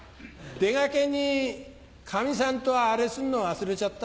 出がけにかみさんとアレすんの忘れちゃった。